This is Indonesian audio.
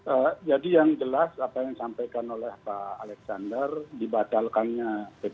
apa dan bagaimana memastikan bahwa implementasi prokes bisa berjalan dengan maksimal